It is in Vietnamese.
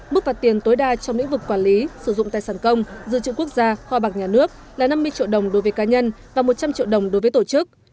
mức phạt tiền tối đa trong lĩnh vực quản lý sử dụng tài sản công dự trữ quốc gia kho bạc nhà nước là năm mươi triệu đồng đối với cá nhân và một trăm linh triệu đồng đối với tổ chức